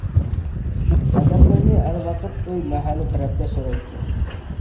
قەدەملىرىنى ھەر ۋاقىت ئوي مەھەللە تەرەپكە سۆرەيتتى.